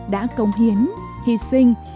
đã cống hiến hy sinh